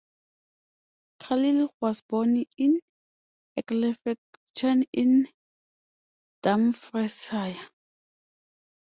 Carlyle was born in Ecclefechan in Dumfriesshire.